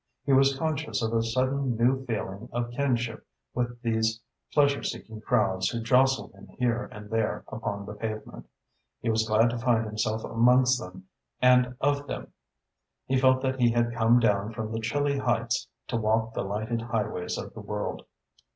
He was conscious of a sudden new feeling of kinship with these pleasure seeking crowds who jostled him here and there upon the pavement. He was glad to find himself amongst them and of them. He felt that he had come down from the chilly heights to walk the lighted highways of the world.